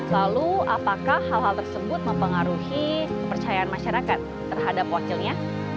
lalu apakah hal hal tersebut mempengaruhi kepercayaan masyarakat terhadap wakilnya